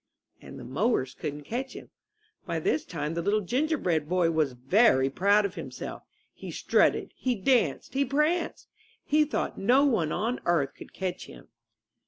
And the mowers couldn't catch him. By this time the Little Gingerbread Boy was very proud of himself. He strutted, he danced, he pranced ! He thought no one on earth could catch him.